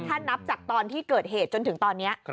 ถ้านับจากตอนที่เกิดเหตุจนถึงตอนนี้